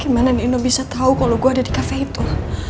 gimana nino bisa tahu kalau gue ada di kafe itu